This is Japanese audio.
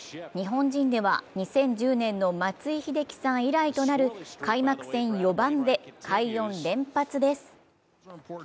日本人では２０１０年の松井秀喜さん以来となる開幕戦４番で快音連発です。